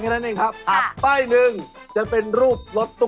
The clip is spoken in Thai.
หมายเลข